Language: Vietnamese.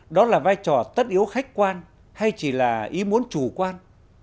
đó là vai trò tất yếu khách quan hay chỉ là ý muốn chủ quan